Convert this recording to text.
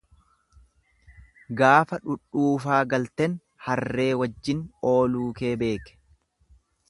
Gaafa dhudhuufaa galten harree wajjin ooluukee beeke.